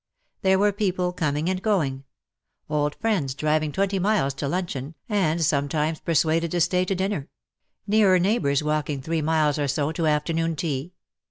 There were people coming and going ; old friends driving twenty miles to luncheon,, and some times persuaded to stay to dinner ; nearer neigh bours walking three miles or so to afternoon tea.